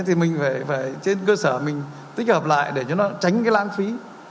thì mình phải trên cơ sở mình tích hợp lại để cho nó tránh cái lãng phí